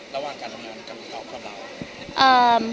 ระหว่างการทำงานกับเรากับเรา